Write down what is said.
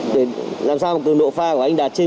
để làm sao mà cường độ pha của anh đạt trên